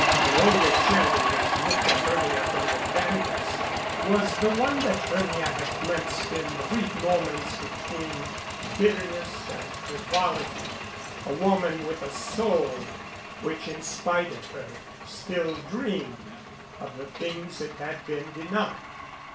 The Olga Tcherny which looked at Hermia from the canvas was the one that Hermia had glimpsed in the brief moments between bitterness and frivolity, a woman with a soul which in spite of her still dreamed of the things it had been denied.